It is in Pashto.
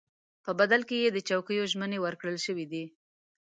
په بدل کې یې د چوکیو ژمنې ورکړل شوې دي.